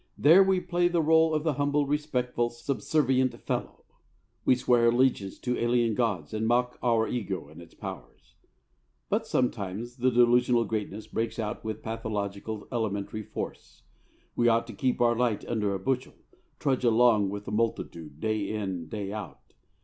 There we play the role of the humble, respectful, subservient fellow. We swear allegiance to alien gods and mock our ego and its powers. But sometimes the delusional greatness breaks out with pathological elementary force. We ought to keep our light under a bushel, trudge along with the multitude, day in, day out.